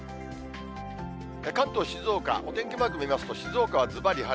関東、静岡、お天気マーク見ますと、静岡はずばり晴れ。